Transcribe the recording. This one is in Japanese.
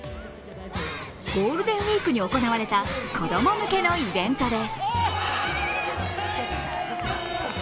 ゴールデンウイークに行われた子供向けのイベントです。